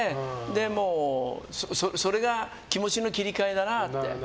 それが気持ちの切り替えだなって。